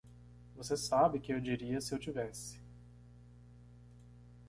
Você sabe que eu diria se eu tivesse.